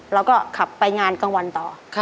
แล้วก็ขับไปงานกลางวันต่อ